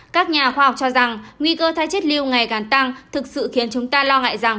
các nhà khoa học cho rằng nguy cơ thái chết lưu ngày càng tăng thực sự khiến chúng ta lo ngại rằng